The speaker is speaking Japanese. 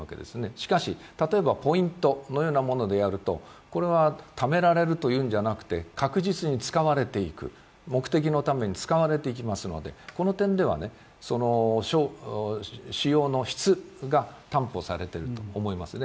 しかし、例えばポイントのようなものでやると、ためられるというのではなく確実に使われていく目的のために使われていきますのでこの点では使用の質が担保されていると思いますね。